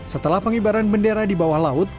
setelah pengibaran bendera di bawah laut